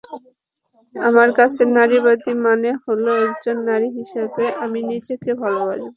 আমার কাছে নারীবাদী মানে হলো একজন নারী হিসেবে আমি নিজেকে ভালোবাসব।